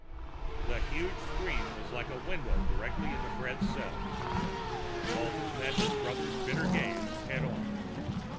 The huge screen was like a window directly into Fred's cell. Walton met his brother's bitter gaze head on.